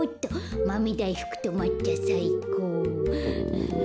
マメだいふくとまっちゃさいこう。